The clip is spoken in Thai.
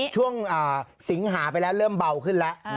สิงหาไปแล้วเริ่มเบาขึ้นแล้ว